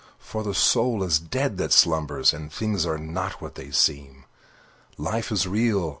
For the soul is dead that slumbers, And things are not what they seem. Life is real!